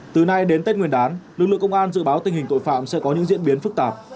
từ nay đến tết nguyên đán lực lượng công an dự báo tình hình tội phạm sẽ có những diễn biến phức tạp